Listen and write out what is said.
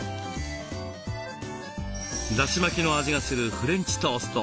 だし巻きの味がするフレンチトースト。